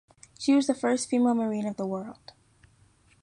She was the first female Marine of the world.